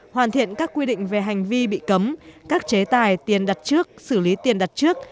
hoàn thiện các quy định về hành vi bị cấm các chế tài tiền đặt trước xử lý tiền đặt trước